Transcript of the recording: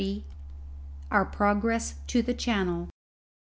OUR PROGRESS TO THE CHANNEL.